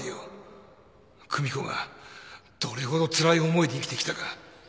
久美子がどれほどつらい思いで生きてきたか。